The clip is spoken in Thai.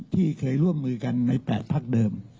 ที่เคยร่วมมือกันใน๘พักเดิม